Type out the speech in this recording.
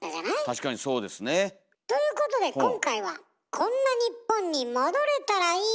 確かにそうですね。ということで今回はこんな日本に戻れたらいいなという希望を込めて。